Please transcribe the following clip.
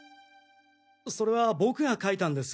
それは僕が書いたんです。